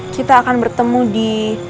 kita akan bertemu di